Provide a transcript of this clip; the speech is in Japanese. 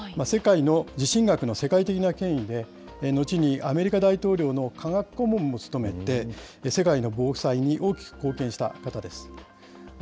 世界の地震学の世界的な権威で、後にアメリカ大統領の科学顧問も務めて、世界の防災に大きく貢献した方です。